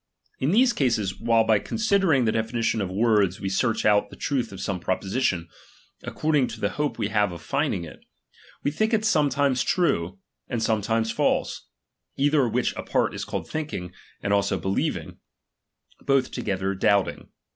In these cases, while by considering the definitions of worda we search out the truth of some proposition, ac cording to the hope we have of finding it, we think it sometimes true, and sometimes false ; either oik which apart is called thinking, and also believimg ; both together, donbting.